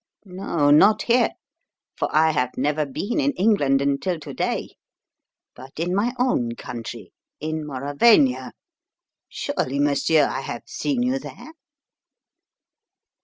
No, not here, for I have never been in England until to day; but in my own country in Mauravania. Surely, monsieur, I have seen you there?"